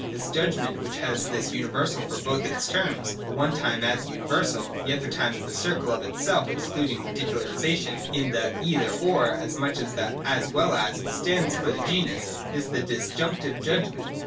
This judgment, which has this universal for both its terms, the one time as a universal, the other time as the circle of its self excluding particularisation in which the ' either — or ' as much as the ' as well as ' stands for the genus, is the I77 J JUDGMENTS OF NECESSITY. 311 Disjunctive judgment.